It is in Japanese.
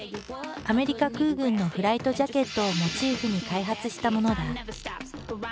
アメリカ空軍のフライトジャケットをモチーフに開発したものだ。